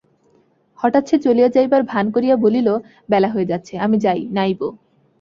হঠাৎ সে চলিয়া যাইবার ভান করিয়া বলিল, বেলা হয়ে যাচ্ছে, আমি যাই, নাইবো।